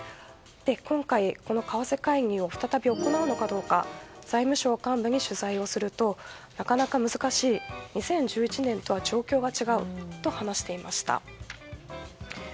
今回、この為替介入を再び行うのかどうか財務省幹部に取材をするとなかなか難しい２０１１年とは状況が違うと話していました。